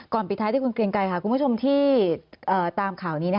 ปิดท้ายที่คุณเกรียงไกรค่ะคุณผู้ชมที่ตามข่าวนี้